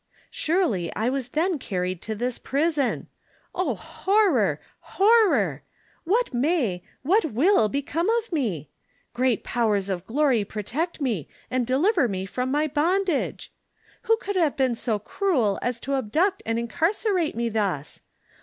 '' Surely, I was tlien carried to this prison. Oh, horror ! horror! What may, what loill become of meV Great powers of glory protect me, and deliver me from my bond age ! Who could have been so cruel as to abduct and incarcerate me thus